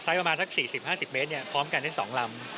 ประมาณสัก๔๐๕๐เมตรพร้อมกันทั้ง๒ลำ